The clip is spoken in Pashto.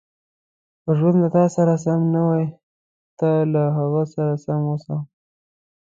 • که ژوند له تا سره سم نه وي، ته له هغه سره سم اوسه.